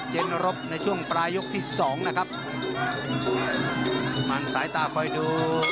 เย็นรบในช่วงปลายยกที่สองนะครับมันสายตาคอยดู